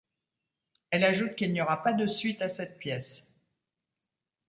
Elle ajoute qu'il n'y aura pas de suite à cette pièce.